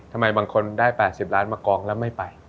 ทำไมบางคนได้๘๐ล้านมากองแล้วไม่ไป